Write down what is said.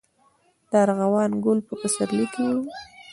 د ارغوان ګل په پسرلي کې وي